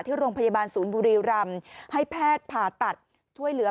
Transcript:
ที่โรงพยาบาลศูนย์บุรีรำให้แพทย์ผ่าตัดช่วยเหลือ